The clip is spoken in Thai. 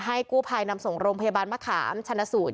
กู้ภัยนำส่งโรงพยาบาลมะขามชนะสูตร